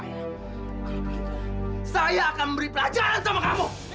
kalau begitu saya akan memberi pelajaran sama kamu